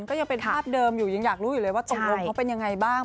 ก็ยังเป็นภาพเดิมอยู่ยังอยากรู้อยู่เลยว่าตกลงเขาเป็นยังไงบ้าง